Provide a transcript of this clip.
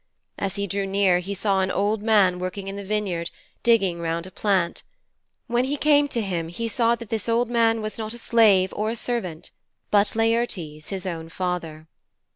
As he drew near he saw an old man working in the vineyard, digging round a plant. When he came to him he saw that this old man was not a slave nor a servant, but Laertes, his own father.